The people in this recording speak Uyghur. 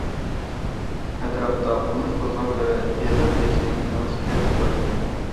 ئەتراپتا قومۇش توزغاقلىرى ئېغىر بېشىنى لىڭشىتىپ تۇراتتى.